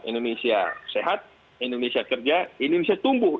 indonesia sehat indonesia kerja indonesia tumbuh